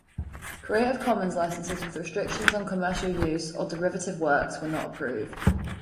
Creative commons licenses with restrictions on commercial use or derivative works were not approved.